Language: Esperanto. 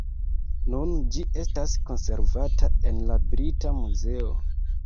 Nun ĝi estas konservata en la Brita Muzeo.